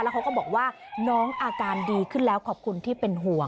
เขาก็บอกว่าน้องอาการดีขึ้นแล้วขอบคุณที่เป็นห่วง